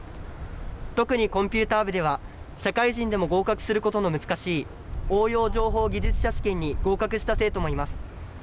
特にコンピューター部では社会人でも合格することの難しい応用情報技術者試験に合格した生徒もいます。